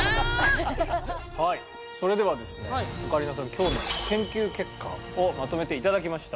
今日の研究結果をまとめて頂きました。